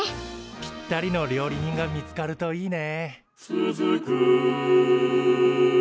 ぴったりの料理人が見つかるといいね。